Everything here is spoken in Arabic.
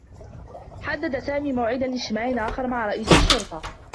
حدّد سامي موعدا لاجتماع آخر مع رئيس الشّرطة.